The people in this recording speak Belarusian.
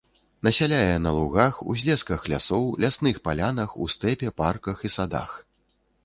Насяляе на лугах, узлесках лясоў, лясных палянах, у стэпе, парках і садах.